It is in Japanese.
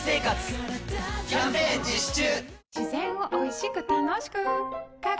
キャンペーン実施中！